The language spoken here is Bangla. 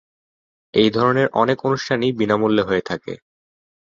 এই ধরনের অনেক অনুষ্ঠানই বিনামূল্যে হয়ে থাকে।